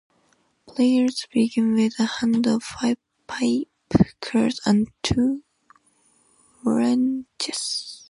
Players begin with a hand of five pipe cards and two wrenches.